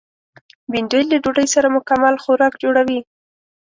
بېنډۍ له ډوډۍ سره مکمل خوراک جوړوي